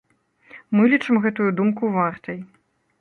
Мы лічым гэтую думку вартай.